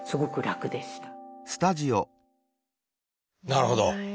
なるほど。